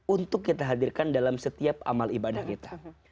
untuk kita hadirkan dalam setiap amal ibadah kita